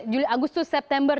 juli agustus september